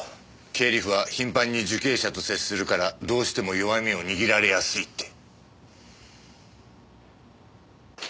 経理夫は頻繁に受刑者と接するからどうしても弱みを握られやすいって。